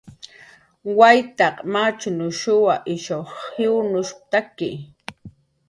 "Waytq machnushuw ish jiwnushp""taki"